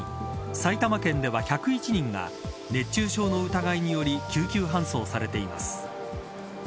埼玉県では１０１人が熱中症の疑いにより緊急搬送されています。